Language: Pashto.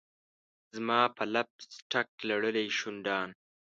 زما په لپ سټک لړلي شونډان